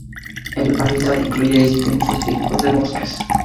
El hábitat incluye distintos tipos de bosques.